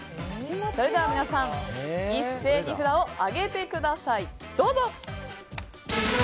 それでは皆さん札を上げてください。